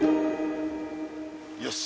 よし！